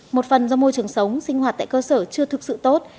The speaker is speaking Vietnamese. một phần do môi trường sống sinh hoạt tại cơ sở chưa thực sự tốt